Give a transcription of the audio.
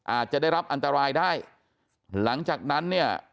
อาจจะได้รับอันตรายได้หลังจากนั้นเนี่ย